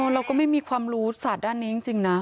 เราก็ไม่มีความรู้ศาสตร์ด้านนี้จริงนะ